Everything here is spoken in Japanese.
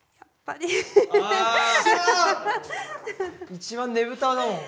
一番ねぶただもん。